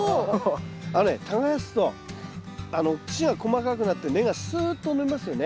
あのね耕すと土が細かくなって根がすっと伸びますよね。